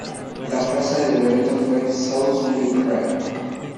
La frase del evento fue ""Souls Will Cry".